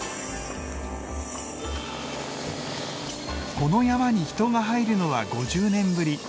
この山に人が入るのは５０年ぶり。